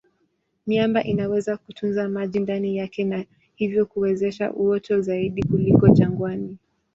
Miamba inaweza kutunza maji ndani yake na hivyo kuwezesha uoto zaidi kuliko jangwani.